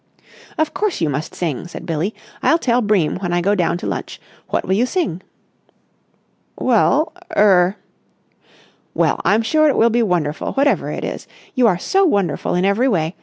"Of course you must sing," said Billie. "I'll tell Bream when I go down to lunch. What will you sing?" "Well—er—" "Well, I'm sure it will be wonderful whatever it is. You are so wonderful in every way.